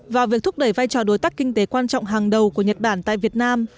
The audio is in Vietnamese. vào việc thúc đẩy vai trò đối tác kinh tế quan trọng hàng đầu của nhật bản tại việt nam